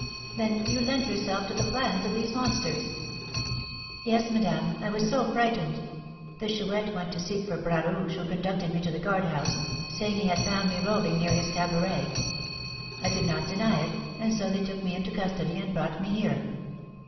"Then you lent yourself to the plans of these monsters?" "Yes, madame, I was so frightened! The Chouette went to seek for Bras Rouge, who conducted me to the guard house, saying he had found me roving near his cabaret. I did not deny it, and so they took me into custody and brought me here."